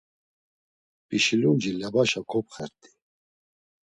P̌işilumci, lebaşa kopxert̆i.